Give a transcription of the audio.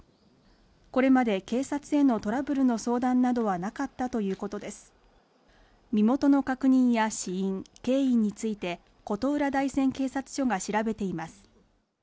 これまで警察へのトラブルの相談などはなかったということです身元の確認や死因、経緯について琴浦大山警察署が調べています